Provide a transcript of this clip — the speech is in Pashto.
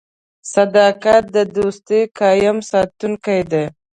• صداقت د دوستۍ قایم ساتونکی دی.